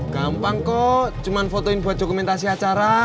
gampang kok cuma fotoin buat dokumentasi acara